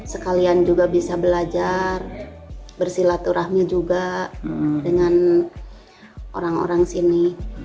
sekalian juga bisa belajar bersilaturahmi juga dengan orang orang sini